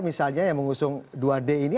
misalnya yang mengusung dua d ini